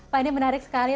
pak ini menarik sekali